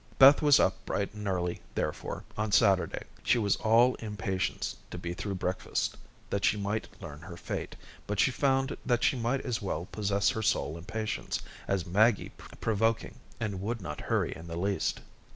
Beth was up bright and early, therefore, on Saturday. She was all impatience to be through breakfast that she might learn her fate, but she found that she might as well possess her soul in patience, as Maggie proved provoking, and would not hurry in the least.